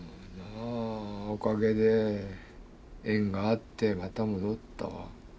おかげで縁があってまた戻ったわ。